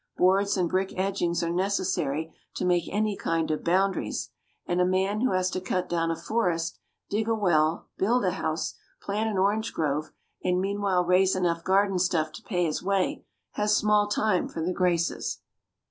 Boards and brick edgings are necessary to make any kind of boundaries; and a man who has to cut down a forest, dig a well, build a house, plant an orange grove, and meanwhile raise enough garden stuff to pay his way, has small time for the graces.